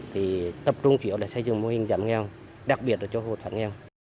thì tập trung chỉ ở để xây dựng mô hình giảm nghèo đặc biệt là cho hộ thoát nghèo